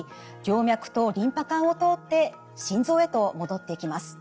静脈とリンパ管を通って心臓へと戻っていきます。